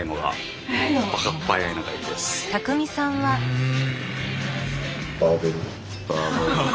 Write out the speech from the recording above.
うん。